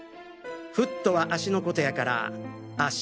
フットは「足」のコトやから「足」